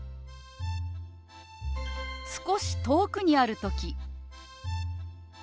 少し遠くにある時。